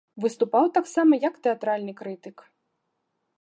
Выступаў таксама як тэатральны крытык.